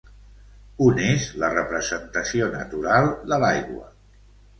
Un és la representació natural de l'aigua.